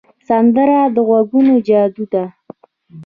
سندره د غږونو جادو ده